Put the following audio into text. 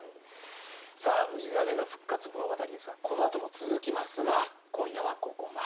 さあ氏真の復活物語ですがこのあとも続きますが今夜はここまで。